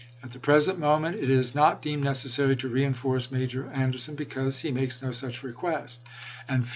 At the present moment it is not deemed necessary to reenforce Major Ander son, because he makes no such request, and feels SI' I 1MIEN K.